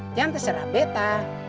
jangan terserah beta